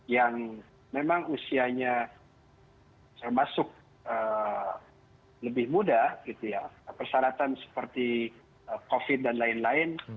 yang memang usianya termasuk lebih muda persyaratan seperti covid dan lain lain